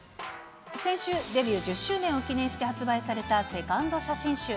先週、デビュー１０周年を記念して発売されたセカンド写真集。